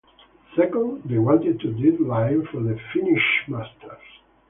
Second, they wanted no deadline for the finished masters.